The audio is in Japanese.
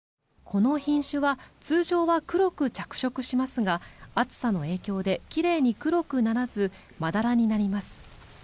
この品種は通常は黒く着色しますが暑さの影響で奇麗に黒くならずまだらになります。